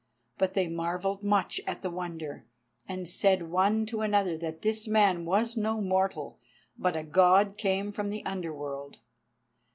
But they marvelled much at the wonder, and said one to another that this man was no mortal, but a God come from the Under world.